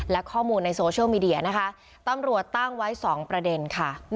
และข้อมูลในโซเชียลมีเดียนะคะตำรวจตั้งไว้๒ประเด็นค่ะ